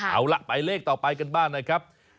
เอาล่ะไปเลขต่อไปกันบ้างนะครับ